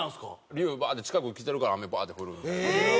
龍がバーッて近くに来てるから雨バーッて降るみたいな。